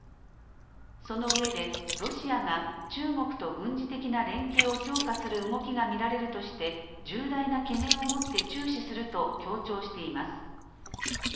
その上で、ロシアが中国と軍事的な連携を強化する動きが見られるとして、重大な懸念をもって注視すると強調しています。